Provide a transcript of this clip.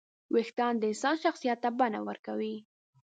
وېښتيان د انسان شخصیت ته بڼه ورکوي.